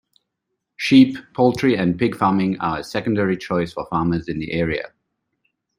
Sheep, poultry and pig farming are a secondary choice for farmers in the area.